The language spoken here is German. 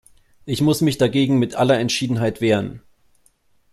Ich muss mich dagegen mit aller Entschiedenheit wehren.